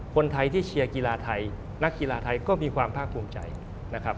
คนไทยที่เชียร์กีฬาไทยนักกีฬาไทยก็มีความภาคภูมิใจนะครับ